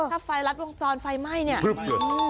ถ้าไฟรัดวงจรไฟไหม้เนี่ย